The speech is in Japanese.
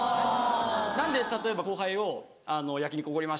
なので例えば後輩を焼き肉おごりました。